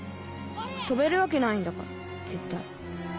飛べるわけないんだから絶対